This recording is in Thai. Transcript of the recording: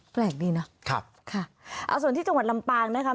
แปลกดีนะครับค่ะเอาส่วนที่จังหวัดลำปางนะคะ